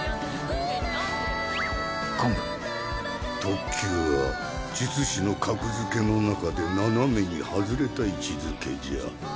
特級は術師の格付けの中で斜めに外れた位置づけじゃ。